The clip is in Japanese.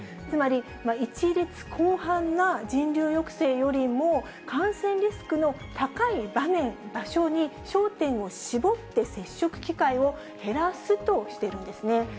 つまり、一律広範な人流抑制よりも、感染リスクの高い場面、場所に焦点を絞って接触機会を減らすとしているんですね。